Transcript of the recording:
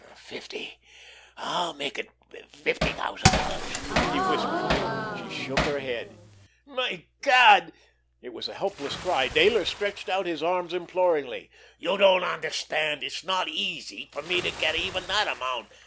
"Fifty—I—I'll make it fifty thousand dollars," he whispered. She shook her head. "My God!" It was a helpless cry. Dayler stretched out his arms imploringly. "You don't understand! It's not easy for me to get even that amount.